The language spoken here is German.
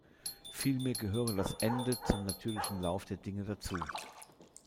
Vielmehr gehöre das Ende zum natürlichen Lauf der Dinge dazu.